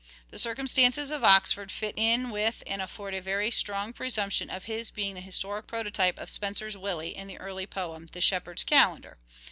The circumstances of Oxford fit in with and afford a very strong presump tion of his being the historic prototype of Spenser's ' Willie " in the early poem, " The Shepherd's Calender."